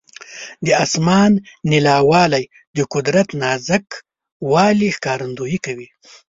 د اسمان نیلاوالی د قدرت نازک والي ښکارندویي کوي.